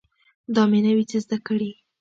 دا مې نوي څه زده کړي